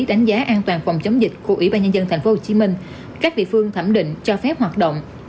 đánh giá an toàn phòng chống dịch của ubnd tp hcm các địa phương thẩm định cho phép hoạt động